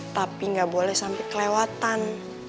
tapi nggak boleh sampai kelewatan